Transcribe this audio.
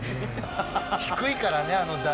低いからねあの台。